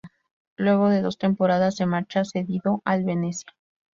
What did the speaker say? Luego de dos temporadas se marcha cedido al Venezia.